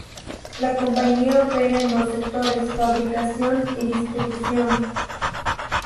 La compañía opera en dos sectores: fabricación y distribución.